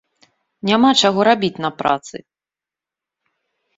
Няма чаго рабіць на працы.